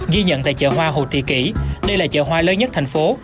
ghi nhận tại chợ hoa hồ thị kỷ đây là chợ hoa lớn nhất thành phố